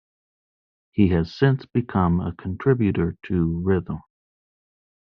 He has since become a contributor to Rhythm.